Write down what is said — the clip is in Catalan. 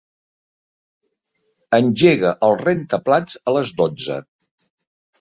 Engega el rentaplats a les dotze.